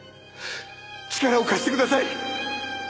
力を貸してください！